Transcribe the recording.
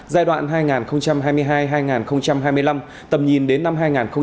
giai đoạn hai nghìn hai mươi hai hai nghìn hai mươi năm tầm nhìn đến năm hai nghìn ba mươi